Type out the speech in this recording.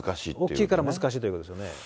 大きいから難しいということですね。